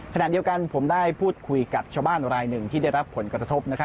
ขณะเดียวกันผมได้พูดคุยกับชาวบ้านรายหนึ่งที่ได้รับผลกระทบ